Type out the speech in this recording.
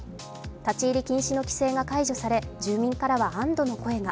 立入禁止の規制が解除され住民からは安堵の声が。